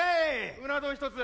うな丼１つ。